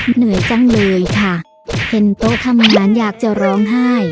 เหนื่อยจังเลยค่ะเห็นโต๊ะทำงานอยากจะร้องไห้